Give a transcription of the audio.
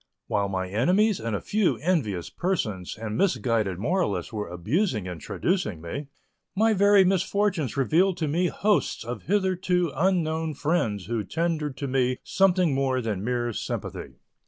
While my enemies and a few envious persons and misguided moralists were abusing and traducing me, my very misfortunes revealed to me hosts of hitherto unknown friends who tendered to me something more than mere sympathy.